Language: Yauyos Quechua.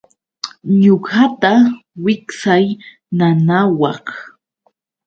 Ñuqata wiksay nanawaq.